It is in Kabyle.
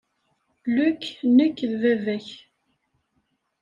Luke, nekk d baba-k.